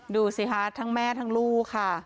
ดูสิคะทั้งแม่ทั้งลูกค่ะ